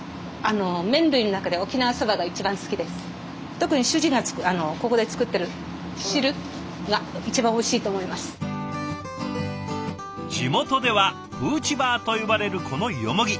特に主人が地元では「フーチバー」と呼ばれるこのヨモギ。